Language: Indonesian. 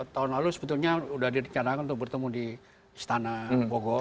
tahun lalu sebetulnya sudah direncanakan untuk bertemu di istana bogor